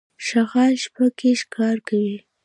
شغال شپه کې ښکار کوي.